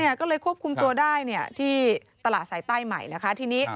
เนี่ยก็เลยควบคุมตัวได้ที่ตลาดสายใต้ใหม่นะครับ